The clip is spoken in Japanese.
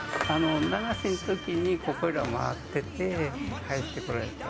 流しのときにここいらを回ってて、入ってこられた。